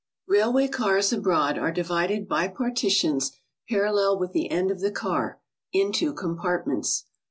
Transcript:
Railway cars abroad are divided by partitions parallel with the end of the car, into compartments.